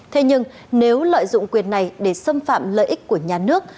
thế nhưng nếu lợi dụng quyền này để xâm phạm lợi ích của nhà nước